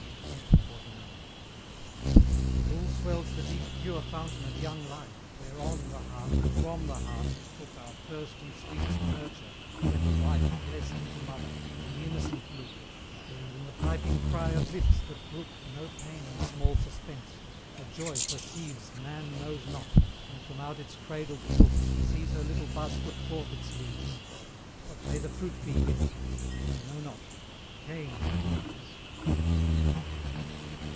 CXLIX. Full swells the deep pure fountain of young life, Where ON the heart and FROM the heart we took Our first and sweetest nurture, when the wife, Blest into mother, in the innocent look, Or even the piping cry of lips that brook No pain and small suspense, a joy perceives Man knows not, when from out its cradled nook She sees her little bud put forth its leaves What may the fruit be yet? I know not Cain was Eve's.